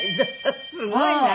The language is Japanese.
すごいな。